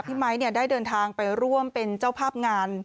ไมค์ได้เดินทางไปร่วมเป็นเจ้าภาพงาน